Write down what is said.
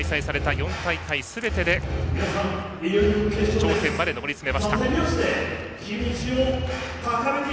４大会すべてで頂点まで上り詰めました。